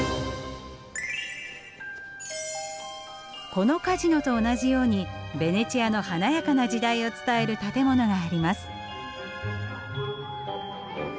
このカジノと同じようにベネチアの華やかな時代を伝える建物があります。